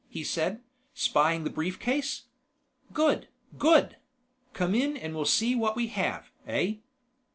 he said, spying the brief case. "Good, good. Come in and we'll see what we have, eh?"